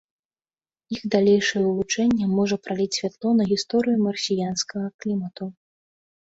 Іх далейшае вывучэнне можа праліць святло на гісторыю марсіянскага клімату.